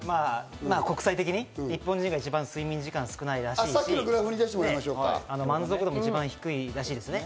国際的に日本の時間が一番睡眠時間が少ないらしいし、満足度も一番低いらしいですね。